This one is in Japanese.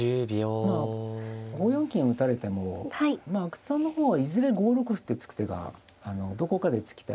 まあ５四金打たれても阿久津さんの方はいずれ５六歩って突く手がどこかで突きたい歩なんでですね。